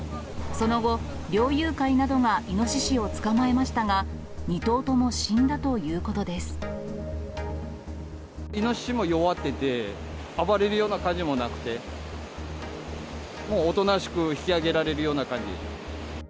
その後、猟友会などがイノシシを捕まえましたが、イノシシも弱ってて、暴れるような感じもなくて、もうおとなしく引き上げられるような感じ。